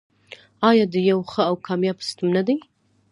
آیا د یو ښه او کامیاب سیستم نه دی؟